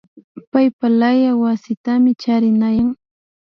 Paypalaya wasitami charinayan